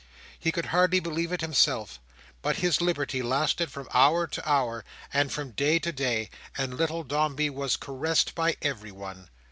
He could hardly believe it himself; but his liberty lasted from hour to hour, and from day to day; and little Dombey was caressed by everyone.